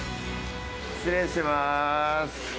失礼します。